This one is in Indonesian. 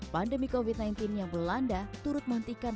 pandemi covid sembilan belas yang melanda turut menghentikan